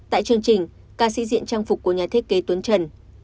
tại chương trình ca sĩ diện trang phục của nhà thiết kế tuấn trần